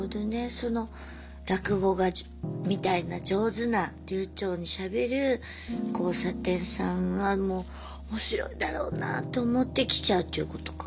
その落語がみたいな上手な流ちょうにしゃべる交差点さんはもう面白いだろうなと思って来ちゃうっていうことか。